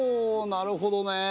なるほどね。